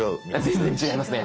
全然違いますね！